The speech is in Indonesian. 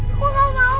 aku gak mau